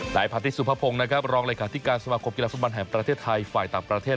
หลายพาร์ทที่สุภพงศ์รองรายการที่การสมาครกิจกรรมกีฬาสมบันแห่งประเทศไทยฝ่ายต่างประเทศ